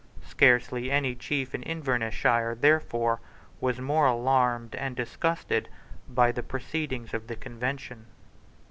Scarcely any chief in Invernessshire, therefore, was more alarmed and disgusted by the proceedings of the Convention.